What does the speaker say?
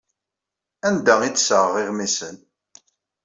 Anda ay d-ssaɣeɣ iɣmisen?